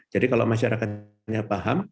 jadi kalau masyarakatnya paham